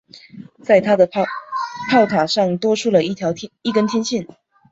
在它的炮塔上多出了一根天线。